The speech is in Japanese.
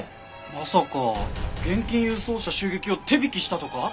まさか現金輸送車襲撃を手引きしたとか？